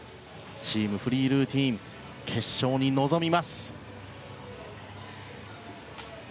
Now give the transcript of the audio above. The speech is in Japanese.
チームフリールーティン決勝に臨みます。